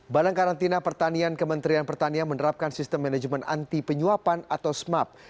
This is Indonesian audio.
badan karantina pertanian kementerian pertanian menerapkan sistem manajemen anti penyuapan atau smap